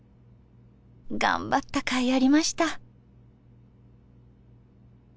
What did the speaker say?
頑張ったかいありました。